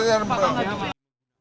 tetap kamu jangan mau lambat